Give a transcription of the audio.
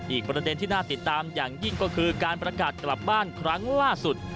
อีกประเด็นที่น่าติดตามอย่างยิ่งก็คือการประกาศกลับบ้านครั้งล่าสุด